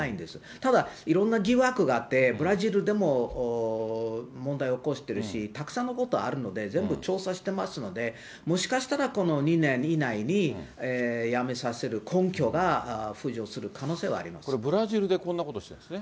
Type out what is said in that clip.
ただ、いろんな疑惑があって、ブラジルでも問題起こしてるし、たくさんのことあるので、全部調査してますので、もしかしたらこの２年以内に辞めさせる根拠が浮上する可能性はあこれ、ブラジルでこんなことしてるんですね。